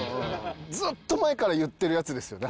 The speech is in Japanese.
ずっと前から言ってるやつですよね